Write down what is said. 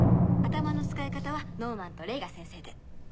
頭の使い方はノーマンとレイが先生で。